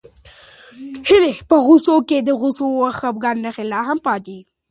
د هیلې په غومبورو کې د غوسې او خپګان نښې لا هم پاتې وې.